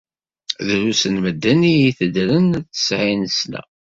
Drus n medden i iteddren tesɛin sna.